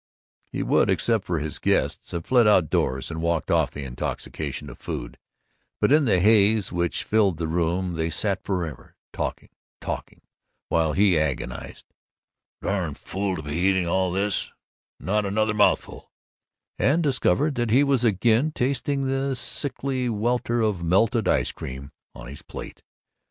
He would, except for his guests, have fled outdoors and walked off the intoxication of food, but in the haze which filled the room they sat forever, talking, talking, while he agonized, "Darn fool to be eating all this not 'nother mouthful," and discovered that he was again tasting the sickly welter of melted ice cream on his plate.